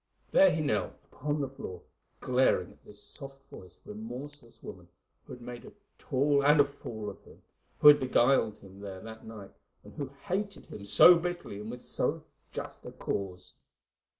There he knelt upon the floor, glaring at this soft voiced, remorseless woman who had made a tool and a fool of him; who had beguiled him there that night, and who hated him so bitterly and with so just a cause.